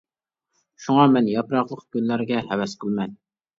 شۇڭا مەن ياپراقلىق گۈللەرگە ھەۋەس قىلىمەن.